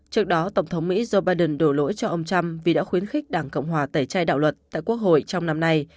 trước đó tổng thống mỹ joe biden đổ lỗi cho ông trump vì đã khuyến khích đảng cộng hòa tẩy chay đạo luật tại quốc hội trong năm nay